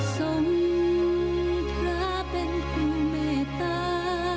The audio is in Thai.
ทรงพระเป็นผู้แม่ตา